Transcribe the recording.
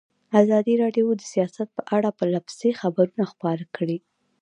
ازادي راډیو د سیاست په اړه پرله پسې خبرونه خپاره کړي.